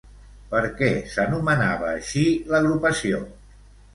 Per què s'anomenava així, l'agrupació?